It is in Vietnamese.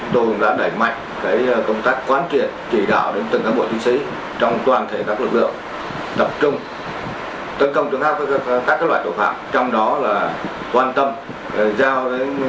tôi đã đẩy mạnh công tác quan kiện kỹ đạo